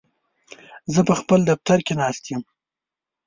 زه په خپل دفتر کې ناست یم.